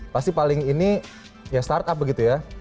pasti paling ini ya startup begitu ya